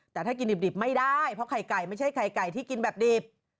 แต่ถ้ากินดิบไม่ได้เพราะไข่ไก่ไม่ใช่ไข่ไก่ที่กินแบบดิบ